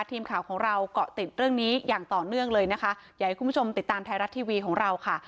ทีมข่าวของเราเกาะติดเรื่องนี้อย่างต่อเนื่องเลยนะคะอยากให้คุณผู้ชมติดตามไทยรัฐทีวีของเราค่ะ